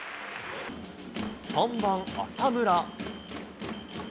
３番、浅村。